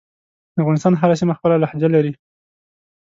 دافغانستان هره سیمه خپله لهجه لری